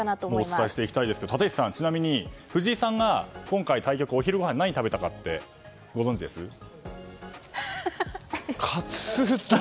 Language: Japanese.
お伝えしていきたいですが立石さん、ちなみに藤井さんが今回の対局お昼ごはん何食べたかご存じですか？